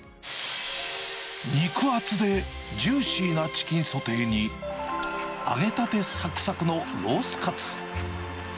肉厚でジューシーなチキンソテーに、揚げたてさくさくのロースカツ。